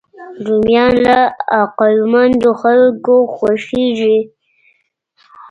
رومیان له عقلمندو خلکو خوښېږي